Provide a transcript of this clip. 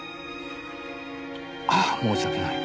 ああ申し訳ない。